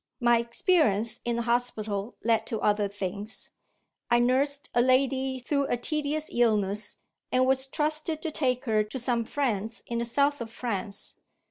My experience in the hospital led to other things. I nursed a lady through a tedious illness, and was trusted to take her to some friends in the south of France.